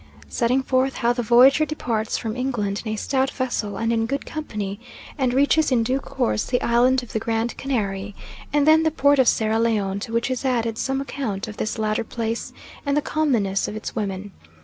Setting forth how the voyager departs from England in a stout vessel and in good company, and reaches in due course the Island of the Grand Canary, and then the Port of Sierra Leone: to which is added some account of this latter place and the comeliness of its women.